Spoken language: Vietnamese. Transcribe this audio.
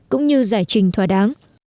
cũng như giải trình thỏa đáng